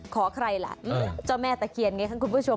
ขอใครล่ะเจ้าแม่ตะเคียนไงครับคุณผู้ชม